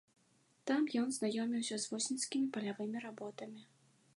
Там ён знаёміўся з восеньскімі палявымі работамі.